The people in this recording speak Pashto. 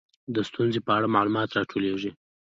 د ستونزې په اړه معلومات راټولیږي.